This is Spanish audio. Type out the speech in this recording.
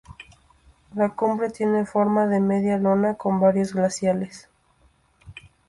La cumbre tiene forma de media luna, con varios glaciares.